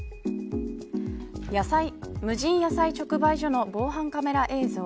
無人野菜直売所の防犯カメラ映像。